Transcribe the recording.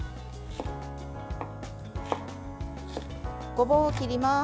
ごぼうを切ります。